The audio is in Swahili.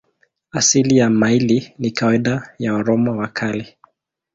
Asili ya maili ni kawaida ya Waroma wa Kale.